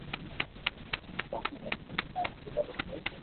ڪون ڪو ھون ڪوم ڪرو تو